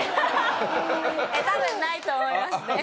多分ないと思いますね。